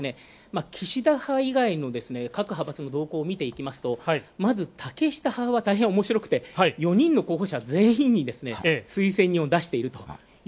岸田派以外の各派閥の動向を見ていきますと、まず竹下派は大変おもしろくて４人の候補者全員に推薦人を出していると。